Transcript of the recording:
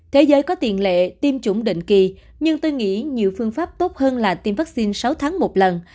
thế giới có tiền lệ tiêm chủng định kỳ nhưng tôi nghĩ nhiều phương pháp tốt hơn là tiêm vaccine sáu tháng một lần